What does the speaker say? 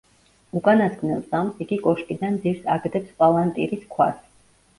უკანასკნელ წამს იგი კოშკიდან ძირს აგდებს პალანტირის ქვას.